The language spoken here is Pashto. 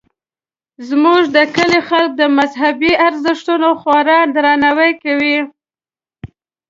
زموږ د کلي خلک د مذهبي ارزښتونو خورا درناوی کوي